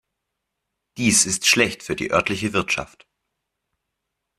Dies ist schlecht für die örtliche Wirtschaft.